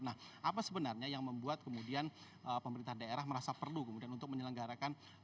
nah apa sebenarnya yang membuat kemudian pemerintah daerah merasa perlu kemudian untuk menyelenggarakan